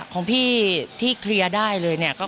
ของพี่ที่เคลียร์ได้เลยเนี่ย